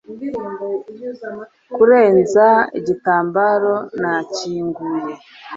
kurenza igitambara nakinguye